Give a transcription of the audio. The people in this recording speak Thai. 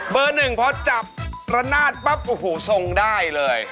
เบอร์หนึ่งเพราะจับรันนาดปั๊บโอ้โฮส่งได้เลย